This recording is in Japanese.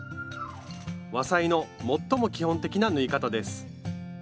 和裁の最も基本的な縫い方です。